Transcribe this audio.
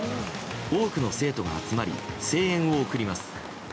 多くの生徒が集まり声援を送ります。